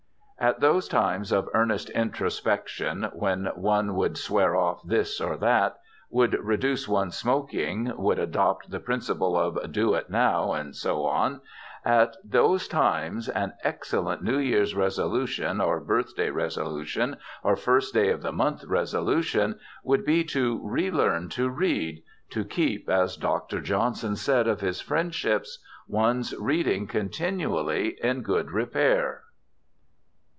At those times of earnest introspection, when one would "swear off" this or that, would reduce one's smoking, would adopt the principle of "do it now," and so on at those times an excellent New Year's resolution, or birthday resolution, or first day of the month resolution, would be to re learn to read, to keep, as Dr. Johnson said of his friendships, one's reading continually "in good repair."